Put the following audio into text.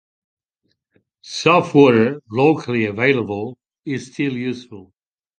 Soft water, locally available, is still useful.